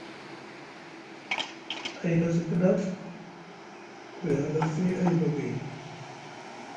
A yikasi Kiɗaf buri a halasi a yiva gayni.